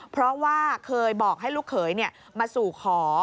เพราะว่าเคยบอกให้ลูกเขยมาสู่ขอ